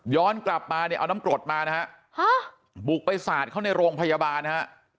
กลับมาเนี่ยเอาน้ำกรดมานะฮะบุกไปสาดเขาในโรงพยาบาลฮะ